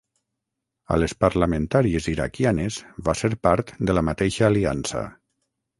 A les parlamentàries iraquianes va ser part de la mateixa aliança.